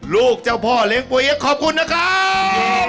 ลูกเจ้าพ่อเลี้ยงปุ๊ยกขอบคุณนะครับ